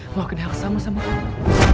melakukan hal sama sama kamu